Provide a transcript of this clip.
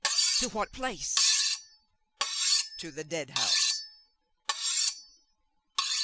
"To what place?" "To the Deadhouse."